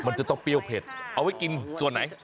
มันจะต้องเปรี้ยวเผ็ดเอาไว้กินส่วนไหน